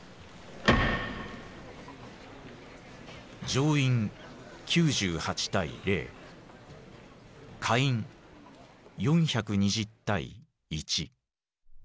上院９８対０下院４２０対１。